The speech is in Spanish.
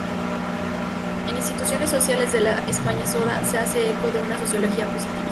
En "Instituciones sociales de la España goda" se hace eco de una sociología positivista.